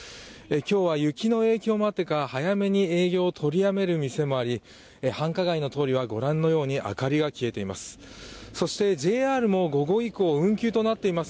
今日は雪の影響もあってか、早めに営業を取りやめる店もあり、繁華街の通りはご覧のように明かりが消えています。